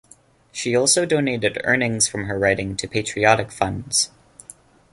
She also donated earnings from her writing to patriotic funds.